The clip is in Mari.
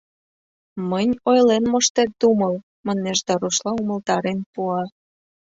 — Мынь ойлен моштет думал, — манеш да рушла умылтарен пуа.